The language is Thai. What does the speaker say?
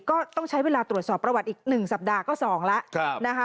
ก็ต้องใช้เวลาตรวจสอบประวัติอีก๑สัปดาห์ก็๒แล้วนะคะ